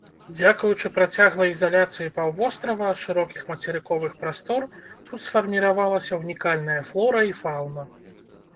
Дзякуючы працяглай ізаляцыі паўвострава ад шырокіх мацерыковых прастор тут сфарміравалася ўнікальная флора і фаўна.